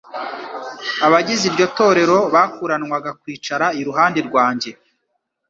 abagize iryo torero bakuranwaga kwicara iruhande rwanjye